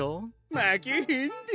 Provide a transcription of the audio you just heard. まけへんで！